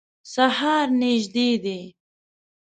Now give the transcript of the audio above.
سهار نیژدي دی